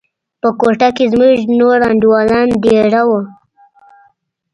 په کوټه کښې زموږ نور انډيوالان دېره وو.